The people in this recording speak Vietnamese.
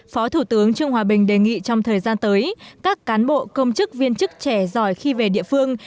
phó thủ tướng trương hòa bình đề nghị trong thời gian tới các cán bộ công chức viên chức trẻ giỏi khi về địa phương